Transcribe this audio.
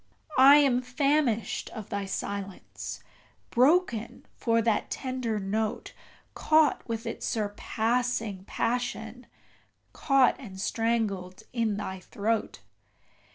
I am famished of thy silence broken for the tender note Caught with its surpassing passion caught and strangled in thy throat!